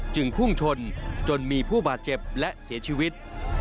พุ่งชนจนมีผู้บาดเจ็บและเสียชีวิต